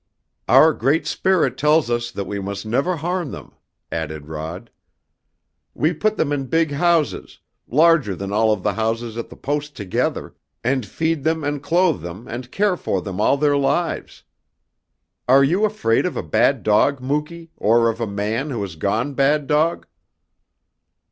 "Our Great Spirit tells us that we must never harm them," added Rod. "We put them in big houses, larger than all of the houses at the Post together, and feed them and clothe them and care for them all their lives. Are you afraid of a bad dog, Muky, or of a man who has gone bad dog?"